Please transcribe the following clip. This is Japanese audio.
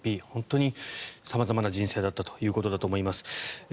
本当に様々な人生だったということだと思います。